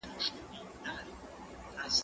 زه پرون ليکنې کوم!؟